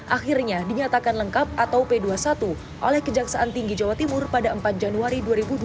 akhirnya dinyatakan lengkap atau p dua puluh satu oleh kejaksaan tinggi jawa timur pada empat januari dua ribu dua puluh